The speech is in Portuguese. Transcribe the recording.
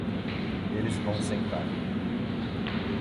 Eles vão sentar